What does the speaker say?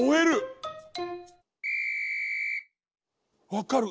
わかる！